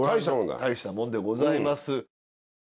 大したもんでございます。